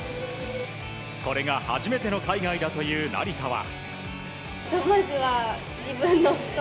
これが初めての海外だという成田は。